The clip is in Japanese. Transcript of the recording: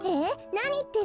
なにいってるの？